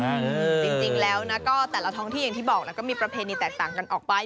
จริงแล้วแต่ละท้องที่อย่างที่บอกมีประเภทนี่ต่างกันออกไป